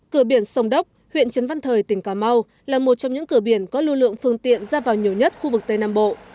cửa biển sông đốc huyện trấn văn thời tỉnh cà mau là một trong những cửa biển có lưu lượng phương tiện ra vào nhiều nhất khu vực tây nam bộ